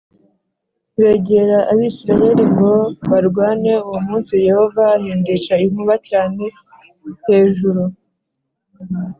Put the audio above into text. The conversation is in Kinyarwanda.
begera Abisirayeli ngo barwane Uwo munsi Yehova ahindisha inkuba cyane l hejuru